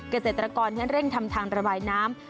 เกษตรกรนั้นเร่งทำทางระบายน้ำ